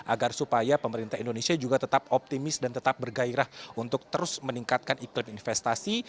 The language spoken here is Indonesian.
agar supaya pemerintah indonesia juga tetap optimis dan tetap bergairah untuk terus meningkatkan iklim investasi